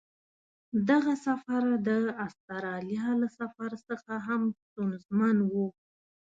دغه سفر د استرالیا له سفر څخه هم ستونزمن و.